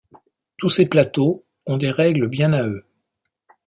Tous ces plateaux ont des règles bien à eux.